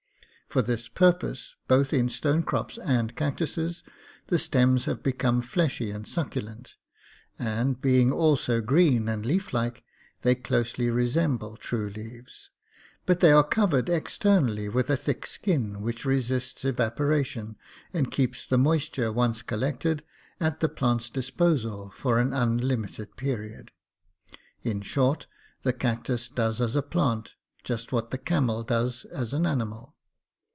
For this purpose, both in stone crops and cactuses, the stems have become fleshy and succulent, and, being also green and leaf like, they closely resemble true leaves. But they are covered externally with a thick skin, which resists evaporation and keeps the moisture, once collected, at the plant's disposal for an unlimited period. In short, the cactus does as a plant just what the camel does as an animal.